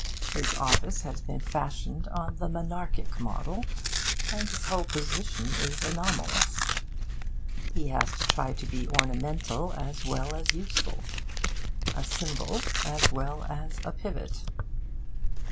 His office has been fashioned on the monarchic model, and his whole position is anomalous. He has to try to be ornamental as well as useful, a symbol as well as a pivot.